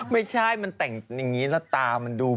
ไม่ใช่มันแต่งอย่างนี้แล้วตามันดู